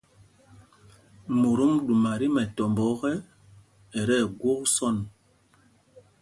Motom ɗuma tí mɛtɔmbɔ ɔkɛ, ɛ tí ɛgwok sɔ̂n.